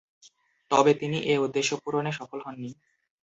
তবে, তিনি এ উদ্দেশ্য পূরণে সফল হননি।